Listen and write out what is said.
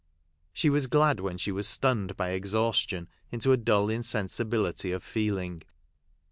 She was glad when she was stunned by exhaustion into a dull insensibility of feel ing.